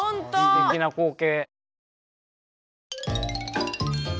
すてきな光景。